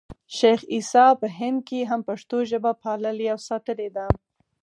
شېخ عیسي په هند کښي هم پښتو ژبه پاللـې او ساتلې ده.